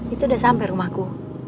itu udah sampe rumahku